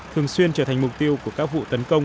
thường xuyên trở thành mục tiêu của các vụ tấn công